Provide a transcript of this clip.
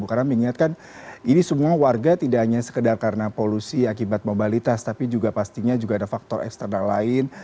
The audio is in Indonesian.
karena mengingatkan ini semua warga tidak hanya sekedar karena polusi akibat mobilitas tapi juga pastinya juga ada faktor eksternal lain